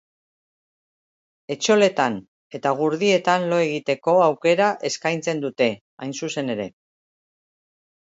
Etxoletan eta gurdietan lo egiteko aukera eskaintzen dute, hain zuzen ere.